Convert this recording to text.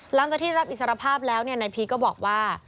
หลังจากที่รับอิสรภาพแล้วนายพีชก็บอกว่า